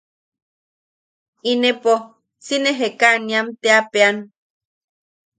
Inepo si nee Jekaaniam teapean;.